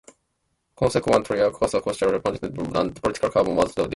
Consequently, a counter cultural movement developed and a political cabaret was formed in Passau.